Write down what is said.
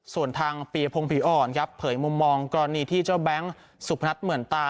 ส่วนทางปียพงผีอ่อนครับเผยมุมมองกรณีที่เจ้าแบงค์สุพนัทเหมือนตา